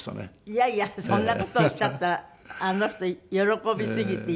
いやいやそんな事おっしゃったらあの人喜びすぎて油断する。